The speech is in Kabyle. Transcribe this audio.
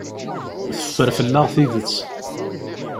Teffer fell-aɣ tidet.